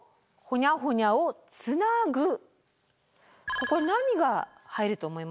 ここに何が入ると思いますか？